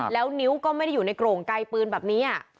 แล้วนิ้วก็ไม่ได้อยู่ในโกร่งไกลปืนแบบนี้